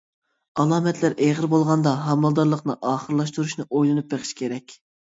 ئالامەتلەر ئېغىر بولغاندا ھامىلىدارلىقنى ئاخىرلاشتۇرۇشنى ئويلىنىپ بېقىش كېرەك.